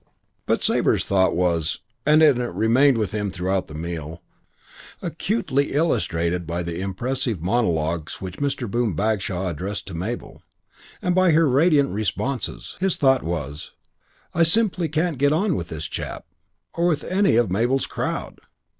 VIII But Sabre's thought was and it remained with him throughout the meal, acutely illustrated by the impressive monologues which Mr. Boom Bagshaw addressed to Mabel, and by her radiant responses his thought was, "I simply can't get on with this chap or with any of Mabel's crowd.